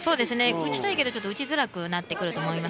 打ちたいけど打ちづらくなってくると思います。